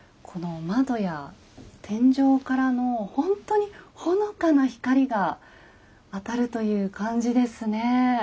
この窓や天井からのほんとにほのかな光が当たるという感じですねえ。